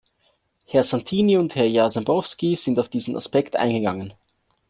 Herr Santini und Herr Jarzembowski sind auf diesen Aspekt eingegangen.